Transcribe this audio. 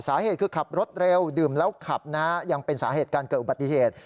สาเหตุคือขับรถเร็วดื่มแล้วขับนะฮะยังเป็นสาเหตุการเกิดอุบัติเหตุ